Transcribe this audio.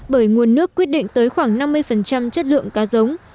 bởi nguồn nước quyết định tới khoảng năm mươi chất lượng cá giống